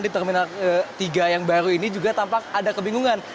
di terminal tiga yang baru ini juga tampak ada kebingungan